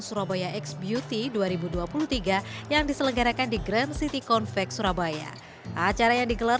surabaya x beauty dua ribu dua puluh tiga yang diselenggarakan di grand city convex surabaya acara yang digelar